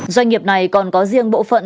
doanh nghiệp này còn có riêng bộ phận